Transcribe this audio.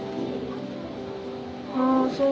ああそう。